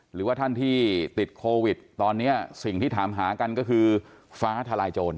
หรือว่าท่านที่ติดโควิดตอนนี้สิ่งที่ถามหากันก็คือฟ้าทลายโจร